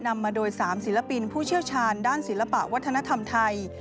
นำมาโดย๓ศิลปินผู้เชี่ยวชาญด้านศิลปะวัฒนธรรมไทย